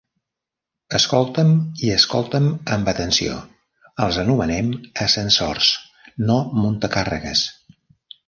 Escolta'm i escolta'm amb atenció: els anomenem ascensors, no muntacàrregues.